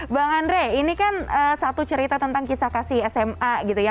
bang andre ini kan satu cerita tentang kisah kasih sma gitu ya